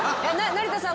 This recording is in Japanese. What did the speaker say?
「成田さん